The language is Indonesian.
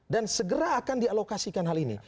dan segera akan dialokasikan hal ini